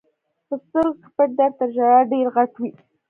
په سترګو کې پټ درد تر ژړا ډېر غټ وي.